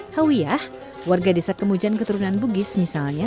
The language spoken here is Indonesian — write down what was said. hawiyah warga desa kemujan keturunan bugis misalnya